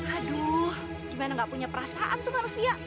aduh gimana gak punya perasaan tuh manusia